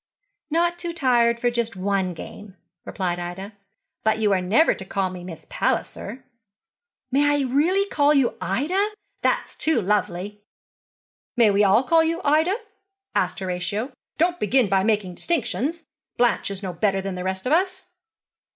'Not too tired for just one game,' replied Ida. 'But you are never to call me Miss Palliser.' 'May I really call you Ida? That's too lovely.' 'May we all call you Ida?' asked Horatio. 'Don't begin by making distinctions. Blanche is no better than the rest of us.'